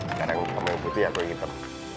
sekarang kamu yang putih aku yang hitam